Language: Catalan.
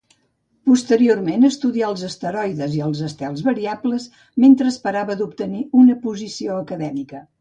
Posteriorment estudià els asteroides i els estels variables, mentre esperava d'obtenir una posició acadèmica.